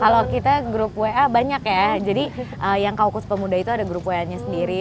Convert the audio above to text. kalau kita grup wa banyak ya jadi yang kaukus pemuda itu ada grup wa nya sendiri